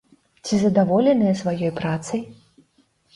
Ці задаволеныя сваёй працай?